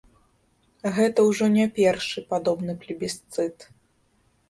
Гэта ўжо не першы падобны плебісцыт.